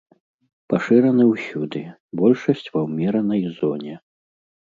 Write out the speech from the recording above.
Пашыраны ўсюды, большасць ва ўмеранай зоне.